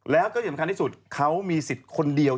แล้วก็สำคัญที่สุดเขามีสิทธิ์คนเดียว